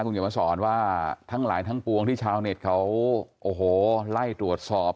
คุณเขียนมาสอนว่าทั้งหลายทั้งปวงที่ชาวเน็ตเขาโอ้โหไล่ตรวจสอบ